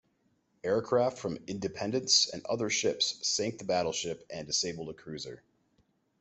Aircraft from "Independence" and other ships sank the battleship and disabled a cruiser.